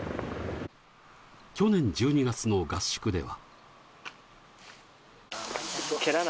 去年１２月の合宿では。